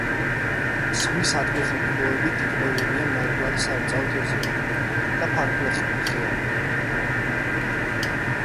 ზღვის ათფეხა კიბოებით იკვებებიან ნაირგვარი სარეწაო თევზები და ფარფლფეხიანები.